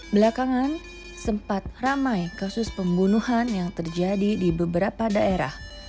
belakangan sempat ramai kasus pembunuhan yang terjadi di beberapa daerah